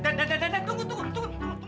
nanti nanti tunggu tunggu